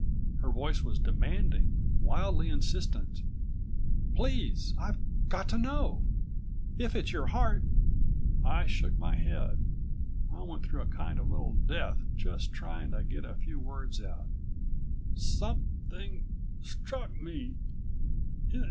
_" Her voice was demanding, wildly insistent. "Please ... I've got to know. If it's your heart " I shook my head. I went through a kind of little death just trying to get a few words out. "Something struck me